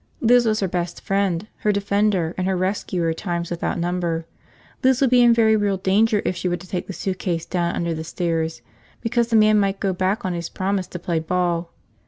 Liz was her best friend, her defender and her rescuer times without number. Liz would be in very real danger if she were to take the suitcase down under the stairs, because the man might go back on his promise to play ball.